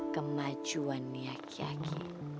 kemajuan nih aki aki